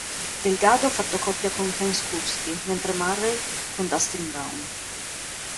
Delgado ha fatto coppia con Ken Skupski, mentre Marray con Dustin Brown.